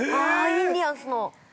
◆インディアンスの？